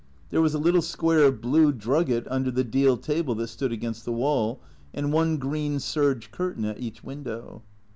There was a little square of blue drugget under the deal table that stood against the wall, and one green serge curtain at each window.